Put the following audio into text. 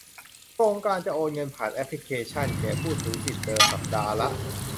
โครงการจะโอนเงินผ่านแอปพลิเคชัน แก่ผู้ถือสิทธิเดิม สัปดาห์ละ